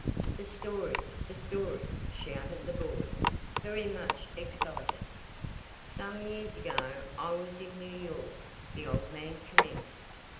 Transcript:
"The story! the story!" shouted the boys, very much excited. "Some years ago I was in New York," the old man commenced.